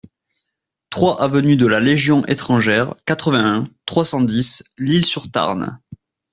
trois avenue de la Légion Etrangère, quatre-vingt-un, trois cent dix, Lisle-sur-Tarn